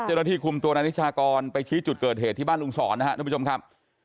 เจ้าหน้าที่คุมตัวนายนิชากรไปชี้จุดเกิดเหตุที่บ้านลุงศรนะครับทุกผู้ชมครับ